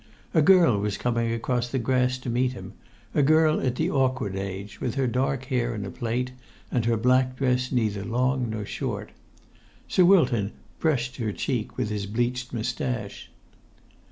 A girl was coming across the grass to meet him, a girl at the awkward age, with her dark hair in a plait and her black dress neither long nor short. Sir Wilton brushed her cheek with his bleached moustache.